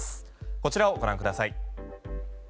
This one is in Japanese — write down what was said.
こちらをご覧ください。